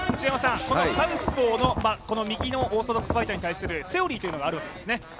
サウスポーの右のオーソドックスファイターに対するセオリーがあるわけですね。